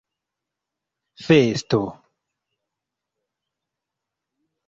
festo